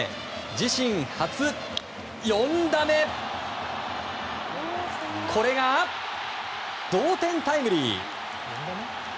自身初、４安打目これが同点タイムリー！